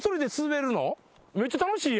めっちゃ楽しいやん。